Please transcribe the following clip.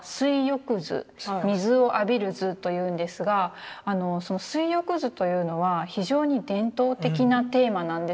水を浴びる図というんですがあのその水浴図というのは非常に伝統的なテーマなんですね。